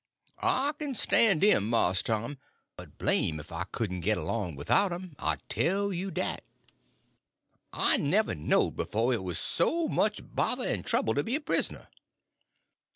"I k'n stan' dem, Mars Tom, but blame' 'f I couldn' get along widout um, I tell you dat. I never knowed b'fo' 't was so much bother and trouble to be a prisoner."